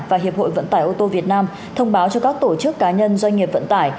và hiệp hội vận tải ô tô việt nam thông báo cho các tổ chức cá nhân doanh nghiệp vận tải